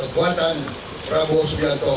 kekuatan prabowo subianto